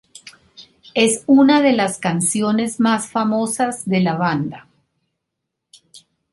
Es una de las canciones más famosas de la banda.